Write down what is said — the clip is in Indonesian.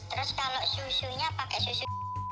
terus kalau susunya pakai susu